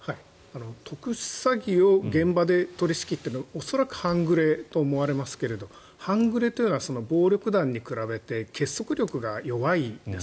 特殊詐欺を現場で取り仕切っているのは恐らく半グレと思われますが半グレは暴力団に比べて結束力が弱いんです。